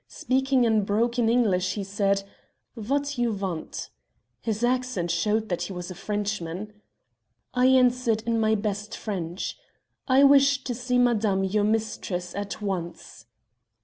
Speaking in broken English he said 'Vat you vant?' His accent showed that he was a Frenchman. "I answered in my best French, 'I wish to see madame, your mistress, at once.'